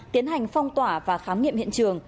tiến hành phong tỏa và khám nghiệm hiện trường